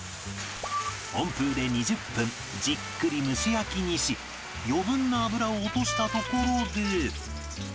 温風で２０分じっくり蒸し焼きにし余分な脂を落としたところで